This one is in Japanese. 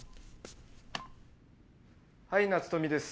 はい夏富です。